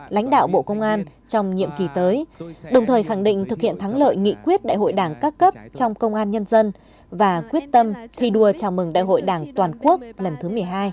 lãnh đạo bộ công an trong nhiệm kỳ tới đồng thời khẳng định thực hiện thắng lợi nghị quyết đại hội đảng các cấp trong công an nhân dân và quyết tâm thi đua chào mừng đại hội đảng toàn quốc lần thứ một mươi hai